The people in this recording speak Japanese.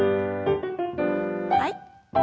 はい。